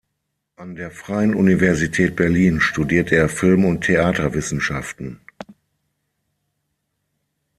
An der Freien Universität Berlin studierte er Film- und Theaterwissenschaften.